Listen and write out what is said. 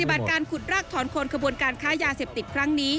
การขุดรากถอนคนขบวนการค้ายาเสพติดครั้งนี้